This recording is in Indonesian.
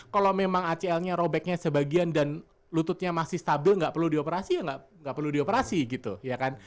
kalau memang acl nya robeknya sebagian dan lututnya masih stabil nggak perlu dioperasi ya nggak perlu dioperasi gitu ya kan